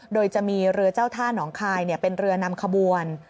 โดยจะมีเรือเจ้าท่านองคายเป็นเรือนำขบวน